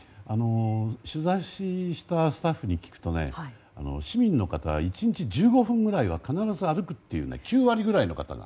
取材したスタッフに聞くと市民の方は１日１５分ぐらいは必ず歩くという９割くらいの方が。